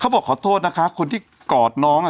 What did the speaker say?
เขาบอกขอโทษนะคะคนที่กอดน้อง